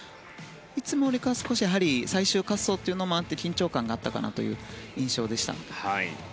いつもより少し最終滑走というのもあって緊張感があったかなという印象でした。